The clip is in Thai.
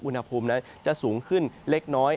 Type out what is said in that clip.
อุณหภูมินั้นจะสูงขึ้นเล็กน้อย